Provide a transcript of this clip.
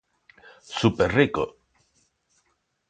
Súper rico.